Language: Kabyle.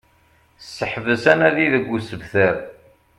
Seḥbes anadi deg usebter